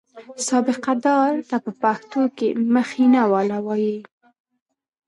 سابقه دار ته په پښتو کې مخینه والا وایي.